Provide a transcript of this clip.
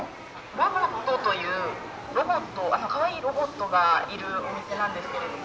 ラボットというロボットかわいいロボットがいるお店なんですけれども。